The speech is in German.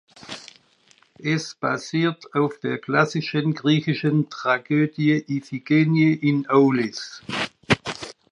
Es basiert auf der klassischen griechischen Tragödie "Iphigenie in Aulis".